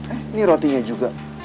eh ini rotinya juga